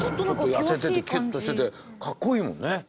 痩せててキュッとしててかっこいいもんね。